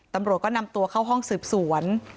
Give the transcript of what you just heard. ตำรวจก็นำตัวเข้าห้องสืบสวน